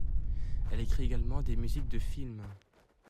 Elle écrit également des musiques de films.